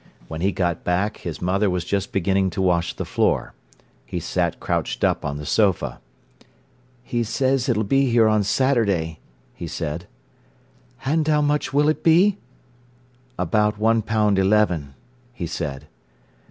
When he got back, his mother was just beginning to wash the floor. He sat crouched up on the sofa. "He says it'll be here on Saturday," he said. "And how much will it be?" "About one pound eleven," he said.